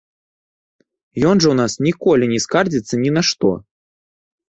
Ён жа ў нас ніколі не скардзіцца ні на што.